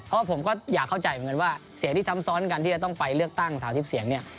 เพราะผมก็อยากเข้าใจเหมือนกันว่าเสียงที่ซ้ำซ้อนกันที่จะต้องไปเลือกตั้ง๓๐เสียงเนี่ย